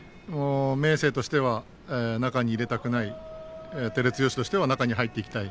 明生としては中に入れたくない照強としては中に入っていきたい